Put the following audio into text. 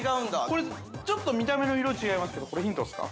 ちょっと見た目の色違いますけど、これヒントですか？